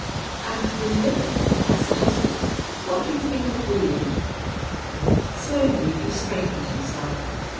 "And William?" I suggested. "What do you think of William?" Slowly he straightened himself.